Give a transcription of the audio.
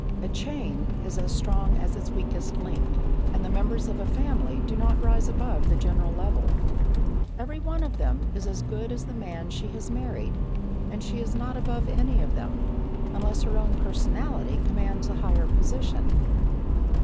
A chain is as strong as its weakest link, and the members of a family do not rise above the general level. Every one of them is as good as the man she has married, and she is not above any of them, unless her own personality commands a higher position.